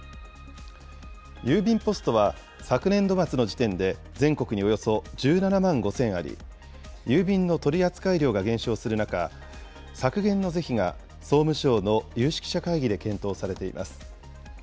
郵便ポストは、昨年度末の時点で全国におよそ１７万５０００あり、郵便の取扱量が減少する中、削減の是非が総務省の有識者会議で検討されています。